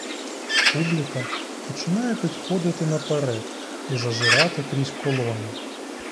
Публіка починає підходити наперед і зазирати крізь колони.